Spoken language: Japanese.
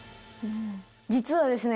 実はですね